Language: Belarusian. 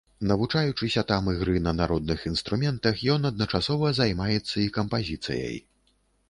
Навучаючыся там ігры на народных інструментах, ён адначасова займаецца і кампазіцыяй.